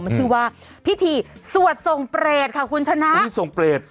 มันชื่อว่าพิธีสวดส่งเปรตค่ะคุณชนะพิธีส่งเปรต